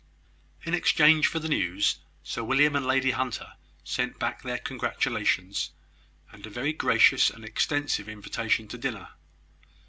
In exchange for the news, Sir William and Lady Hunter sent back their congratulations, and a very gracious and extensive invitation to dinner.